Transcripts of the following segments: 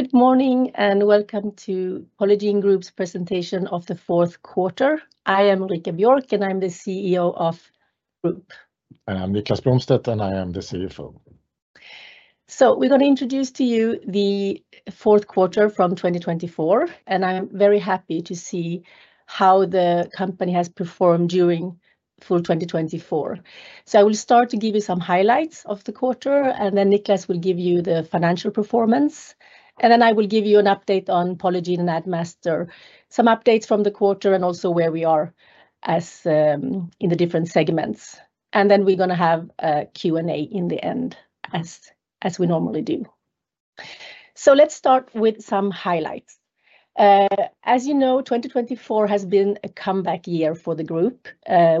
Good morning and welcome to Polygiene Group's presentation of the fourth quarter. I am Ulrika Björk and I'm the CEO of the group. I'm Niklas Blomstedt and I am the CFO. We're going to introduce to you the fourth quarter from 2024, and I'm very happy to see how the company has performed during full 2024. I will start to give you some highlights of the quarter, and then Niklas will give you the financial performance, and then I will give you an update on Polygiene and Addmaster, some updates from the quarter, and also where we are in the different segments. We're going to have a Q&A in the end, as we normally do. Let's start with some highlights. As you know, 2024 has been a comeback year for the group.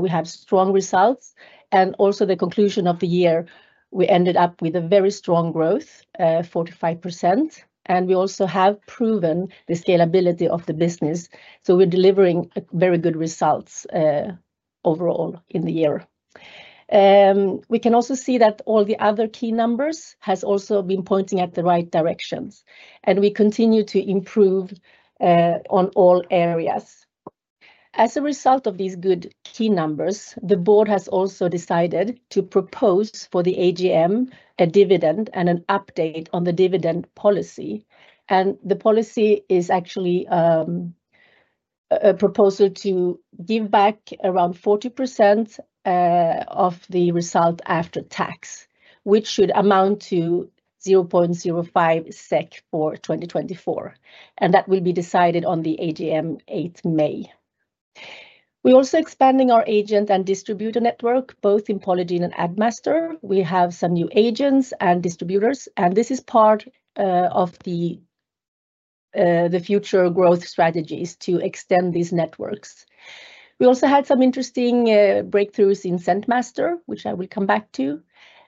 We have strong results, and also the conclusion of the year, we ended up with a very strong growth, 45%, and we also have proven the scalability of the business. We're delivering very good results overall in the year. We can also see that all the other key numbers have also been pointing at the right directions, and we continue to improve on all areas. As a result of these good key numbers, the board has also decided to propose for the AGM a dividend and an update on the dividend policy. The policy is actually a proposal to give back around 40% of the result after tax, which should amount to 0.05 SEK for 2024. That will be decided on the AGM 8 May. We're also expanding our agent and distributor network, both in Polygiene and Addmaster. We have some new agents and distributors, and this is part of the future growth strategies to extend these networks. We also had some interesting breakthroughs in ScentMaster, which I will come back to.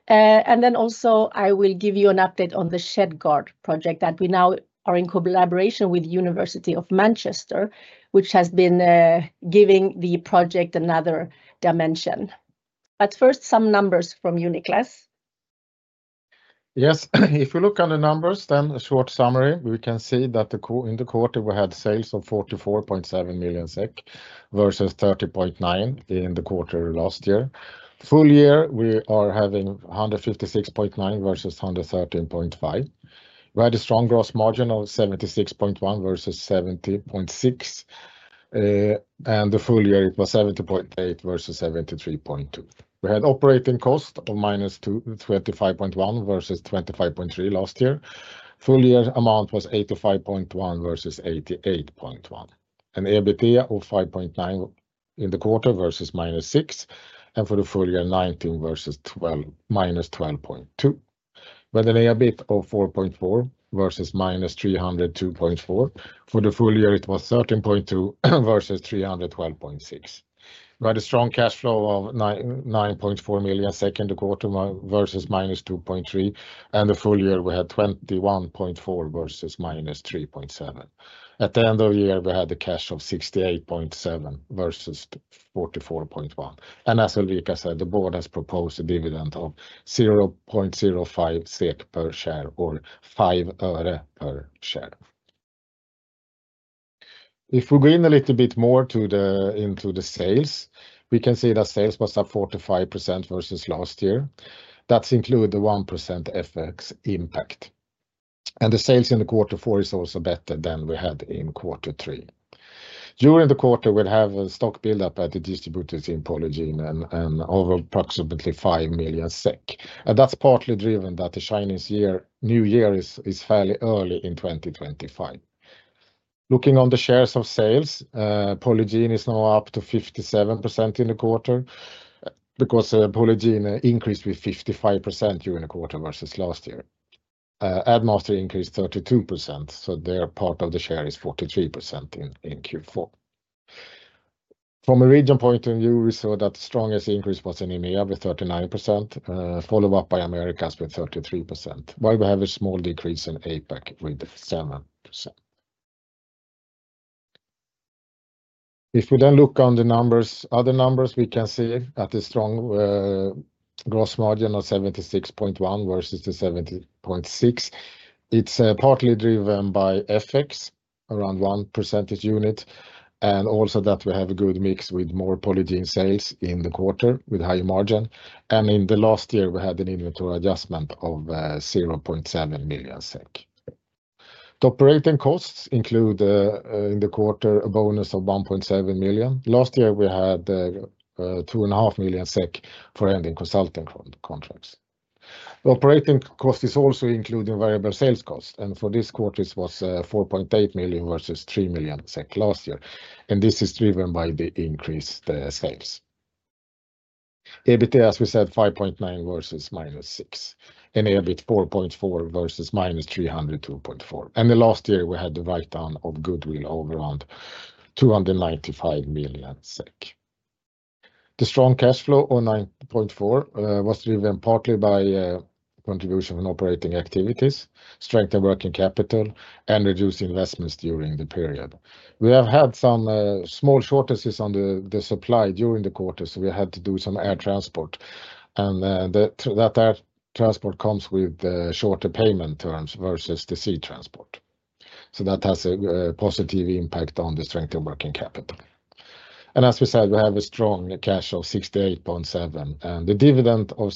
I will give you an update on the ShedGuard project that we now are in collaboration with the University of Manchester, which has been giving the project another dimension. First, some numbers from you, Niklas. Yes, if we look at the numbers, then a short summary, we can see that in the quarter we had sales of 44.7 million SEK versus 30.9 million in the quarter last year. Full year, we are having 156.9 million versus 113.5 million. We had a strong gross margin of 76.1% versus 70.6%. million. With an EBIT of SEK 4.4 million versus minus 302.4 million. For the full year, it was SEK 13.2 million versus 312.6 million. We had a strong cash flow of 9.4 million second quarter versus minus 2.3 million, and the full year we had 21.4 million versus minus 3.7 million. At the end of the year, we had a cash of 68.7 million versus 44.1 million. As Ulrika said, the board has proposed a dividend of 0.05 SEK per share or 5% per share. If we go in a little bit more into the sales, we can see that sales was up 45% versus last year. That included the 1% FX impact. The sales in the quarter four is also better than we had in quarter three. During the quarter, we had a stock buildup at the distributors in Polygiene and over approximately 5 million SEK. That is partly driven that the Chinese New Year is fairly early in 2025. Looking on the shares of sales, Polygiene is now up to 57% in the quarter because Polygiene increased with 55% during the quarter versus last year. Addmaster increased 32%, so their part of the share is 43% in Q4. From a region point of view, we saw that the strongest increase was in EMEA with 39%, followed up by Americas with 33%. While we have a small decrease in APAC with 7%. If we then look on the numbers, other numbers, we can see that the strong gross margin of 76.1% versus the 70.6%, it's partly driven by FX around 1% unit and also that we have a good mix with more Polygiene sales in the quarter with high margin. In the last year, we had an inventory adjustment of 0.7 million SEK. The operating costs include in the quarter a bonus of 1.7 million. Last year, we had 2.5 million SEK for ending consulting contracts. The operating cost is also including variable sales cost, and for this quarter, it was 4.8 million versus 3 million SEK last year. This is driven by the increased sales. EBITDA, as we said, 5.9 versus -6, and EBIT 4.4 versus -302.4. Last year, we had the write-down of goodwill of around 295 million SEK. The strong cash flow of 9.4 million was driven partly by contribution from operating activities, strengthened working capital, and reduced investments during the period. We have had some small shortages on the supply during the quarter, so we had to do some air transport. That air transport comes with shorter payment terms versus the sea transport. That has a positive impact on the strength of working capital. As we said, we have a strong cash of 68.7 million, and the dividend of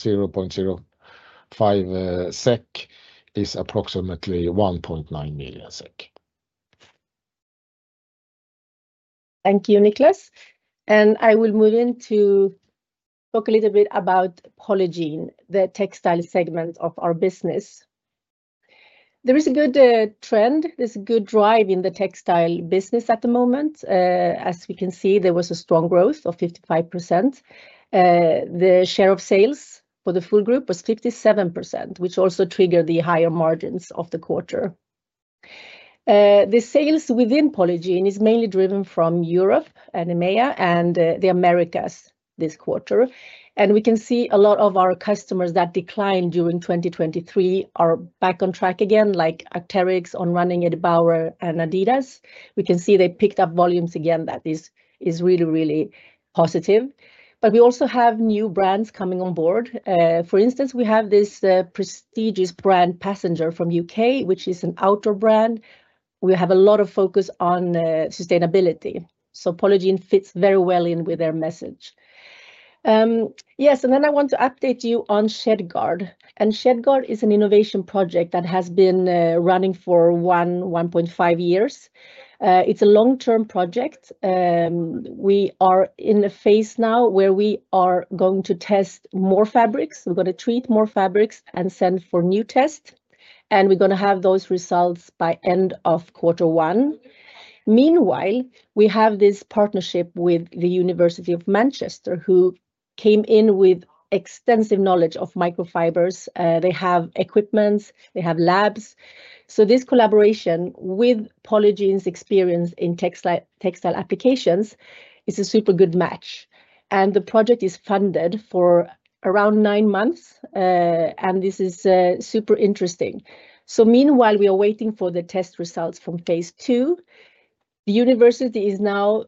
0.05% is approximately SEK 1.9 million. Thank you, Niklas. I will move in to talk a little bit about Polygiene, the textile segment of our business. There is a good trend, there is a good drive in the textile business at the moment. As we can see, there was a strong growth of 55%. The share of sales for the full group was 57%, which also triggered the higher margins of the quarter. The sales within Polygiene is mainly driven from Europe and EMEA and the Americas this quarter. We can see a lot of our customers that declined during 2023 are back on track again, like Arc'teryx, On Running, Edelrid, and Adidas. We can see they picked up volumes again, that is really, really positive. We also have new brands coming on board. For instance, we have this prestigious brand Passenger from the U.K., which is an outdoor brand. We have a lot of focus on sustainability. Polygiene fits very well in with their message. Yes, I want to update you on ShedGuard. ShedGuard is an innovation project that has been running for 1.5 years. It's a long-term project. We are in a phase now where we are going to test more fabrics. We're going to treat more fabrics and send for new tests. We're going to have those results by the end of quarter one. Meanwhile, we have this partnership with the University of Manchester, who came in with extensive knowledge of microfibers. They have equipment, they have labs. This collaboration with Polygiene's experience in textile applications is a super good match. The project is funded for around nine months, and this is super interesting. Meanwhile, we are waiting for the test results from phase two. The university is now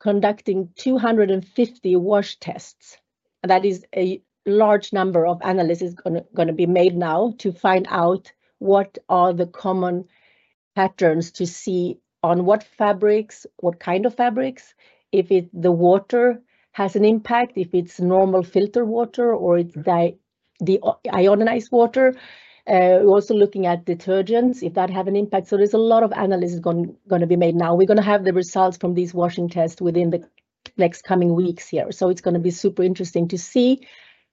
conducting 250 wash tests. That is a large number of analyses going to be made now to find out what are the common patterns to see on what fabrics, what kind of fabrics, if the water has an impact, if it's normal filter water or it's the ionized water. We're also looking at detergents if that has an impact. There is a lot of analysis going to be made now. We're going to have the results from these washing tests within the next coming weeks here. It is going to be super interesting to see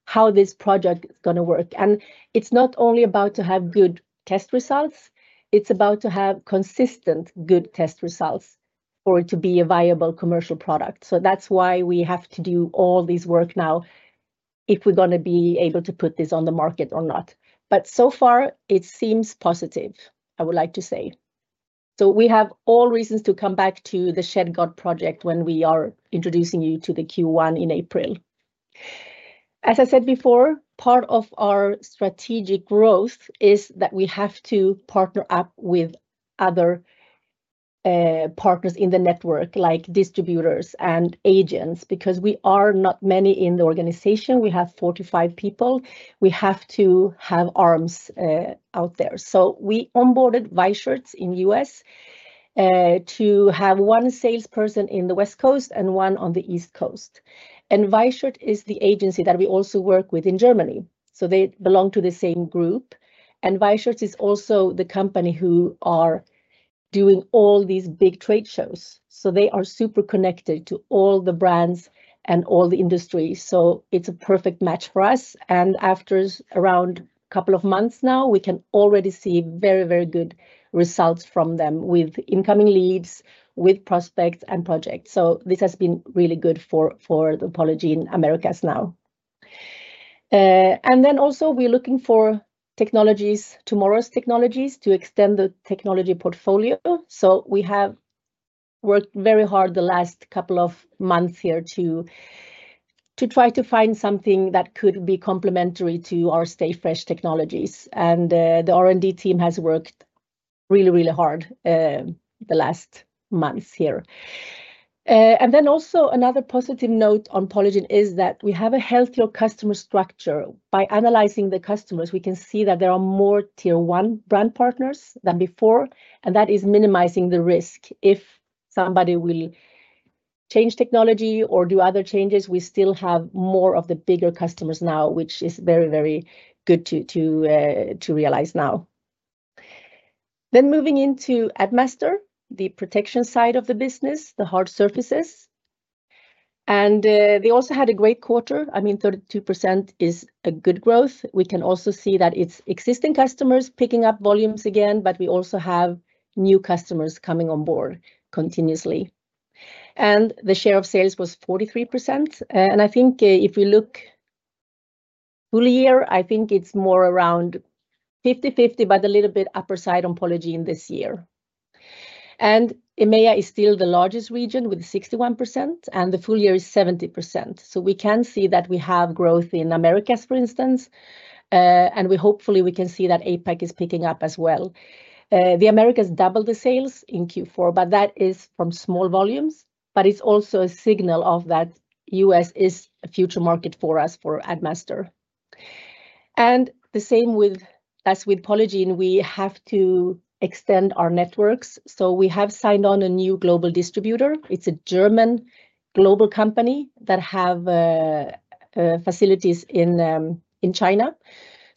how this project is going to work. It is not only about to have good test results, it is about to have consistent good test results for it to be a viable commercial product. That is why we have to do all this work now if we're going to be able to put this on the market or not. So far, it seems positive, I would like to say. We have all reasons to come back to the ShedGuard project when we are introducing you to the Q1 in April. As I said before, part of our strategic growth is that we have to partner up with other partners in the network, like distributors and agents, because we are not many in the organization. We have 45 people. We have to have arms out there. We onboarded Weichert in the US to have one salesperson in the West Coast and one on the East Coast. Weichert is the agency that we also work with in Germany. They belong to the same group. Weichert is also the company who is doing all these big trade shows. They are super connected to all the brands and all the industries. It is a perfect match for us. After around a couple of months now, we can already see very, very good results from them with incoming leads, with prospects and projects. This has been really good for the Polygiene Americas now. We are also looking for technologies, tomorrow's technologies to extend the technology portfolio. We have worked very hard the last couple of months here to try to find something that could be complementary to our StayFresh technologies. The R&D team has worked really, really hard the last months here. Another positive note on Polygiene is that we have a healthier customer structure. By analyzing the customers, we can see that there are more tier one brand partners than before, and that is minimizing the risk. If somebody will change technology or do other changes, we still have more of the bigger customers now, which is very, very good to realize now. Moving into Addmaster, the protection side of the business, the hard surfaces. They also had a great quarter. I mean, 32% is a good growth. We can also see that it's existing customers picking up volumes again, but we also have new customers coming on board continuously. The share of sales was 43%. I think if we look full year, I think it's more around 50-50, but a little bit upper side on Polygiene this year. EMEA is still the largest region with 61%, and the full year is 70%. We can see that we have growth in Americas, for instance. Hopefully we can see that APAC is picking up as well. The Americas doubled the sales in Q4, but that is from small volumes. It is also a signal that the US is a future market for us for Addmaster. The same as with Polygiene, we have to extend our networks. We have signed on a new global distributor. It is a German global company that has facilities in China.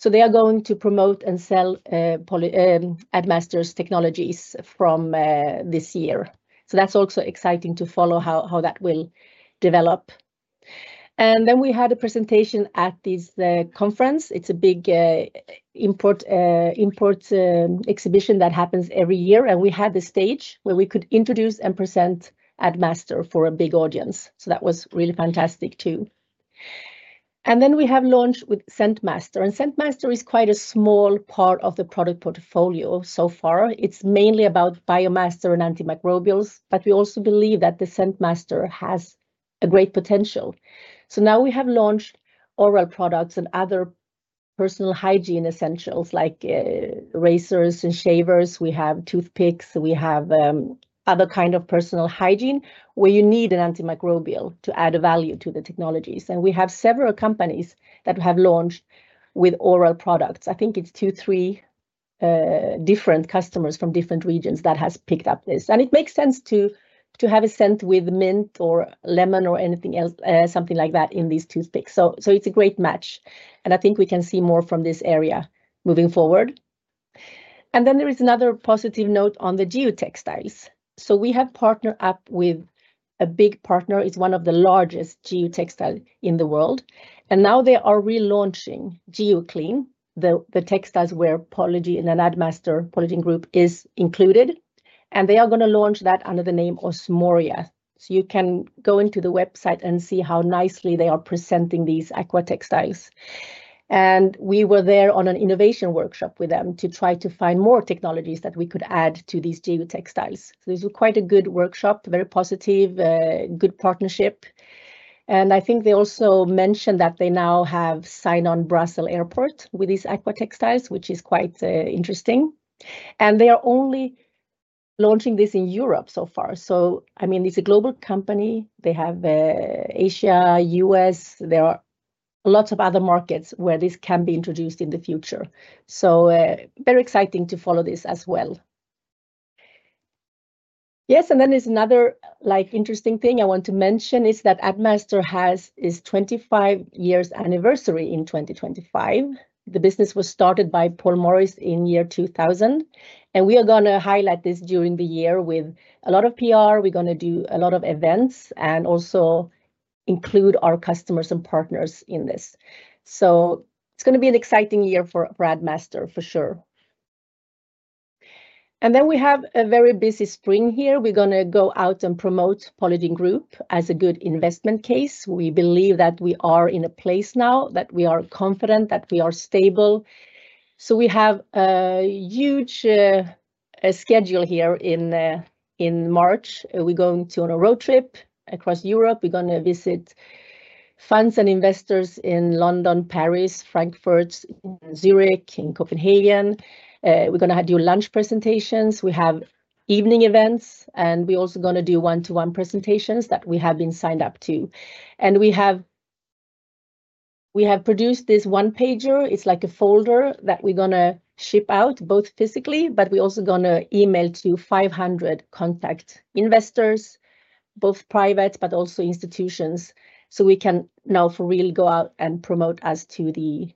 They are going to promote and sell Addmaster's technologies from this year. That is also exciting to follow how that will develop. We had a presentation at this conference. It is a big import exhibition that happens every year. We had the stage where we could introduce and present Addmaster for a big audience. That was really fantastic too. We have launched with ScentMaster. ScentMaster is quite a small part of the product portfolio so far. It's mainly about Biomaster and antimicrobials, but we also believe that ScentMaster has great potential. Now we have launched oral products and other personal hygiene essentials like razors and shavers. We have toothpicks. We have other kinds of personal hygiene where you need an antimicrobial to add value to the technologies. We have several companies that have launched with oral products. I think it's two, three different customers from different regions that have picked up this. It makes sense to have a scent with mint or lemon or something like that in these toothpicks. It's a great match. I think we can see more from this area moving forward. There is another positive note on the geotextiles. We have partnered up with a big partner. It's one of the largest geotextiles in the world. They are relaunching GeoClean, the textiles where Polygiene and Addmaster Polygiene Group is included. They are going to launch that under the name OMORIA. You can go into the website and see how nicely they are presenting these aqua textiles. We were there on an innovation workshop with them to try to find more technologies that we could add to these geotextiles. This was quite a good workshop, very positive, good partnership. I think they also mentioned that they now have signed on Brussels Airport with these aqua textiles, which is quite interesting. They are only launching this in Europe so far. I mean, it's a global company. They have Asia, US. There are lots of other markets where this can be introduced in the future. Very exciting to follow this as well. Yes, and then there's another interesting thing I want to mention is that Addmaster has its 25 years anniversary in 2025. The business was started by Paul Morris in the year 2000. We are going to highlight this during the year with a lot of PR. We're going to do a lot of events and also include our customers and partners in this. It's going to be an exciting year for Addmaster for sure. We have a very busy spring here. We're going to go out and promote Polygiene Group as a good investment case. We believe that we are in a place now, that we are confident, that we are stable. We have a huge schedule here in March. We're going to on a road trip across Europe. We're going to visit funds and investors in London, Paris, Frankfurt, Zurich, and Copenhagen. We're going to do lunch presentations. We have evening events, and we're also going to do one-to-one presentations that we have been signed up to. We have produced this one-pager. It's like a folder that we're going to ship out both physically, but we're also going to email to 500 contact investors, both private but also institutions. We can now for real go out and promote as to the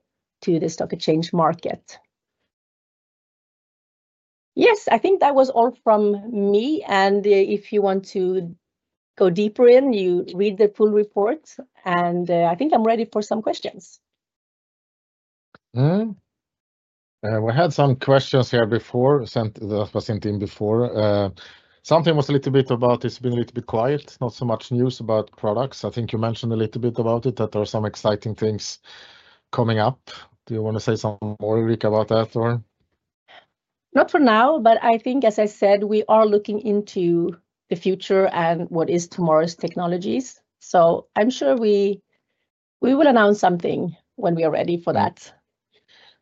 stock exchange market. Yes, I think that was all from me. If you want to go deeper in, you read the full report. I think I'm ready for some questions. We had some questions here before. That was in the team before. Something was a little bit about it's been a little bit quiet, not so much news about products. I think you mentioned a little bit about it that there are some exciting things coming up. Do you want to say something more, Ulrika, about that or? Not for now, but I think, as I said, we are looking into the future and what is tomorrow's technologies. I am sure we will announce something when we are ready for that.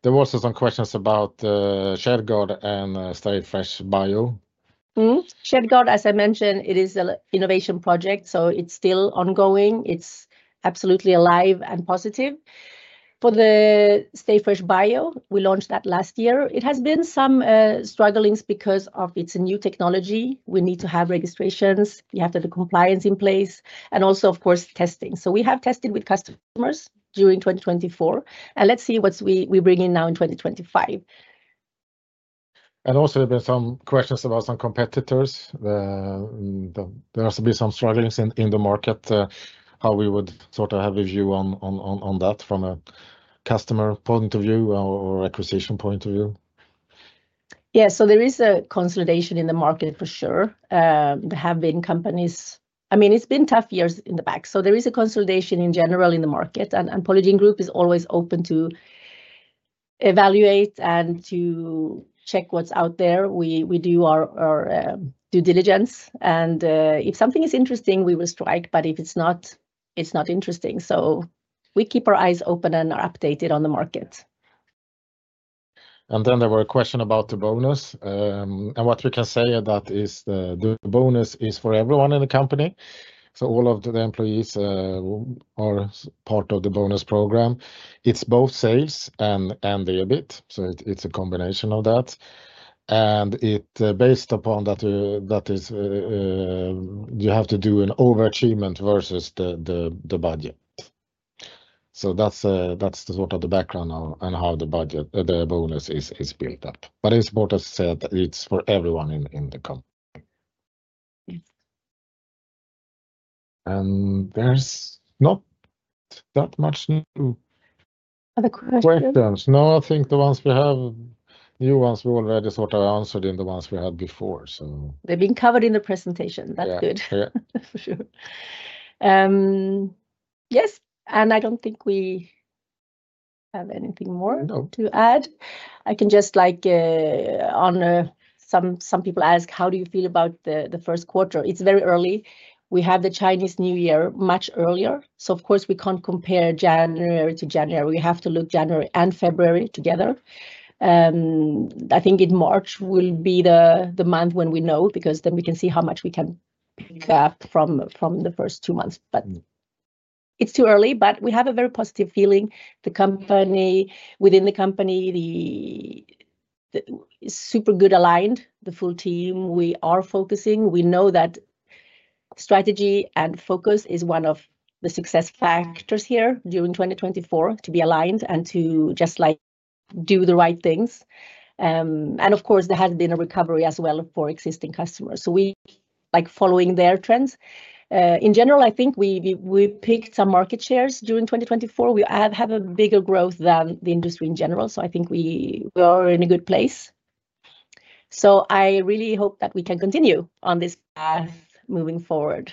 There were also some questions about ShedGuard and StayFresh BIO. ShedGuard, as I mentioned, it is an innovation project. It is still ongoing. It is absolutely alive and positive. For the StayFresh BIO, we launched that last year. It has been some strugglings because of its new technology. We need to have registrations. You have to have the compliance in place and also, of course, testing. We have tested with customers during 2024. Let's see what we bring in now in 2025. There have been some questions about some competitors. There has been some strugglings in the market. How we would sort of have a view on that from a customer point of view or acquisition point of view. Yeah, so there is a consolidation in the market for sure. There have been companies. I mean, it's been tough years in the back. There is a consolidation in general in the market. Polygiene Group is always open to evaluate and to check what's out there. We do our due diligence. If something is interesting, we will strike. If it's not, it's not interesting. We keep our eyes open and are updated on the markets. There was a question about the bonus. What we can say is that the bonus is for everyone in the company. All of the employees are part of the bonus program. It is both sales and the EBIT, so it is a combination of that. It is based upon that you have to do an overachievement versus the budget. That is the background on how the bonus is built up. As the Board has said, it is for everyone in the company. There is not that much new. Other questions? Questions? No, I think the ones we have, new ones we already sort of answered in the ones we had before. They've been covered in the presentation. That's good. Yeah, for sure. Yes. I do not think we have anything more to add. I can just, like, on some people ask, how do you feel about the first quarter? It is very early. We have the Chinese New Year much earlier. Of course, we cannot compare January to January. We have to look at January and February together. I think March will be the month when we know because then we can see how much we can pick up from the first two months. It is too early, but we have a very positive feeling. The company within the company is super good aligned, the full team. We are focusing. We know that strategy and focus is one of the success factors here during 2024 to be aligned and to just, like, do the right things. Of course, there has been a recovery as well for existing customers. We like following their trends. In general, I think we picked some market shares during 2024. We have a bigger growth than the industry in general. I think we are in a good place. I really hope that we can continue on this path moving forward.